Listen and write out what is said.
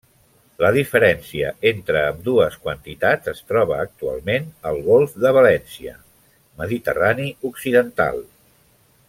La diferència entre ambdues quantitats es troba actualment al Golf de València, Mediterrani Occidental.